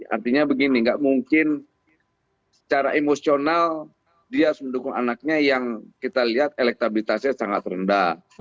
artinya begini nggak mungkin secara emosional dia harus mendukung anaknya yang kita lihat elektabilitasnya sangat rendah